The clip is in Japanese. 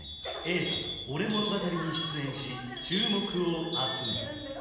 映画「俺物語！！」に出演し注目を集め